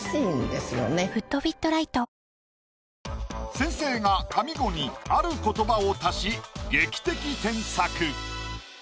先生が上五にある言葉を足し劇的添削。